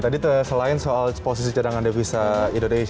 tadi selain soal posisi cadangan devisa indonesia